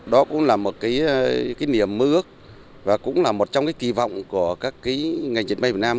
đó cũng là một niềm mơ ước và cũng là một trong kỳ vọng của các ngành dân may việt nam